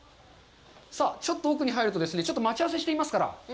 さあ、ちょっと奥に入ると、ちょっと待ち合わせしてますから。